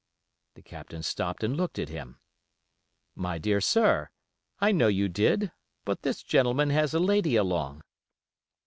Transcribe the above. The Captain stopped and looked at him. 'My dear sir, I know you did; but this gentleman has a lady along.